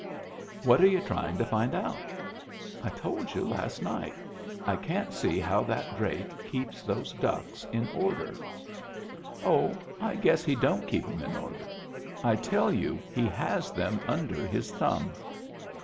" What're you trying to find out ?"" I told you last night. I can't see how that drake keeps those ducks in order." " Oh, I guess he don't keep 'em in order." " I tell you he has them under his thumb."